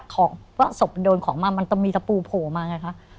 ของว่าศพมันโดนของมามันต้องมีตะปูโผล่มาไงคะ